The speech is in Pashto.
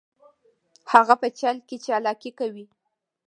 هغه په چل کې چلاکي کوي